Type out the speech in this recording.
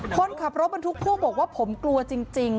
คนขับรถบรรทุกพ่วงบอกว่าผมกลัวจริง